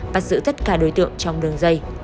bắt giữ tất cả đối tượng trong đường dây